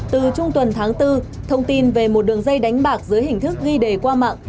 từ trung tuần tháng bốn thông tin về một đường dây đánh bạc dưới hình thức ghi đề qua mạng